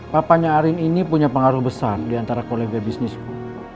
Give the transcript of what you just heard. papanya arin ini punya pengaruh besar diantara kolega bisnismu